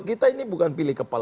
kita ini bukan pilih kepala